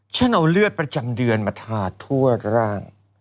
ฉันเอาเลือดประจำเดือนมาทาทั่วร่าง